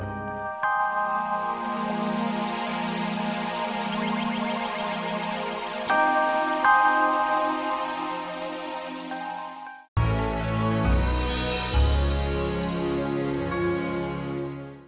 siapkan aku unggul